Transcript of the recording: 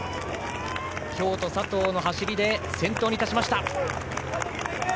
京都、佐藤の走りで先頭に立ちました。